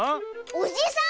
おじさん！